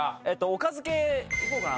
おかず系いこうかなと。